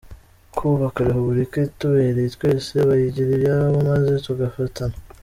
kubaka Repubulika itubereye twese bayigira iyabo, maze tugafatana